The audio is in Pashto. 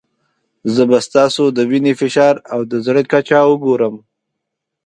زه به ستاسو د وینې فشار او د زړه کچه وګورم.